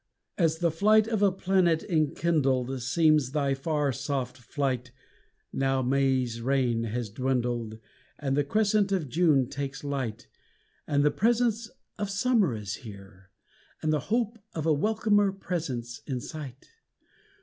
As the flight of a planet enkindled Seems thy far soft flight Now May's reign has dwindled And the crescent of June takes light And the presence of summer is here, and the hope of a welcomer presence in sight.